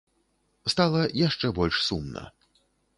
Стала яшчэ больш сумна.